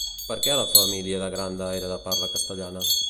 Per què la família de Grande era de parla castellana?